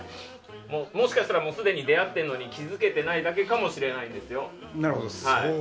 もしかしたらすでに出会ってるのに気づけていないだけかもしれないですよ。